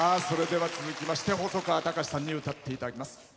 それでは続きまして細川たかしさんに歌っていただきます。